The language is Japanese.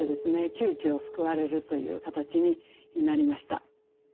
窮地を救われるという形になりました。